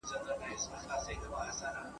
راځئ چي يو سوکاله افغانستان جوړ کړو.